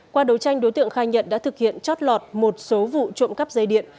qua đấu tranh đối tượng khai nhận đã thực hiện chót lọt một số vụ trộm cắp dây điện